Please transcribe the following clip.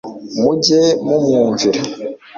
mujye mumwumvira